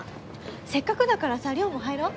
せっかくだからさ稜も入ろう。